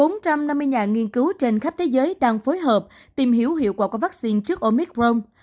bốn trăm năm mươi nhà nghiên cứu trên khắp thế giới đang phối hợp tìm hiểu hiệu quả của vaccine trước omicron